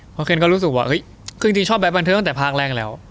เพราะเคนก็รู้สึกว่าเฮ้ยคือจริงชอบแบ็คบันเทิงตั้งแต่ภาคแรกแล้ว